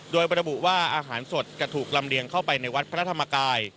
โดยระบุว่าอาหารสดจะถูกลำเลียงเข้าไปในวัดพระธรรมกาย